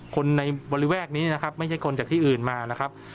คนในบริเวณนี้นะครับไม่ใช่คนจากที่อื่นมานะครับ